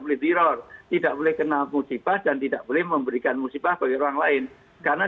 boleh teror tidak boleh kena musibah dan tidak boleh memberikan musibah bagi orang lain karena